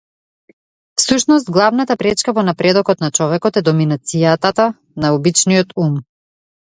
Всушност главната пречка во напредокот на човекот е доминацијатата на обичниот ум.